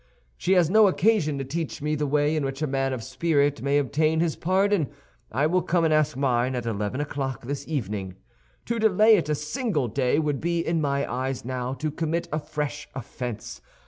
She has no occasion to teach me the way in which a man of spirit may obtain his pardon. I will come and ask mine at eleven o'clock this evening. To delay it a single day would be in my eyes now to commit a fresh offense.